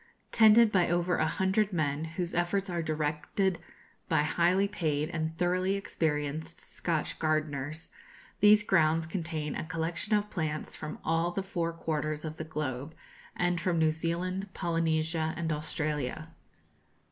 Tended by over a hundred men, whose efforts are directed by highly paid and thoroughly experienced Scotch gardeners, these grounds contain a collection of plants from all the four quarters of the globe, and from New Zealand, Polynesia, and Australia.